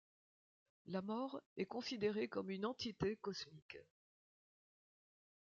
La Mort est considéré comme une entité cosmique.